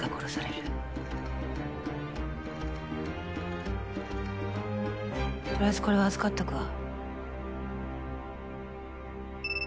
とりあえずこれは預かっとくわ。